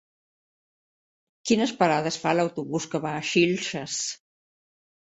Quines parades fa l'autobús que va a Xilxes?